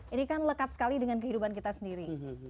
ini kan lekat sekali dengan kehidupan kita sendiri